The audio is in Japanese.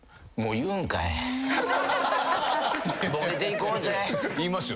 言いますよ